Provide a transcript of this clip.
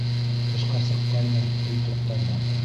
Тышҡа сыҡҡайны, көй туҡтаны.